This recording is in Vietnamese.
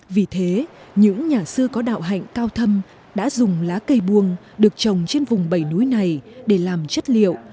vì thế những nhà sư có đạo hạnh cao thâm đã dùng lá cây buông được trồng trên vùng bầy núi này để làm chất liệu